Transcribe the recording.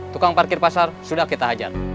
tukang parkir pasar sudah kita hajar